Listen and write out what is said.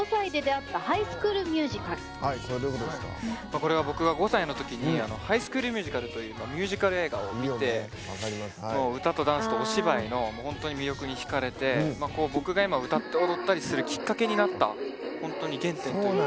これは僕が５歳のときに「ハイスクール・ミュージカル」というミュージカル映画を見て歌とダンスとお芝居の魅力にひかれて僕が今、歌って踊るきっかけになった、本当に原点。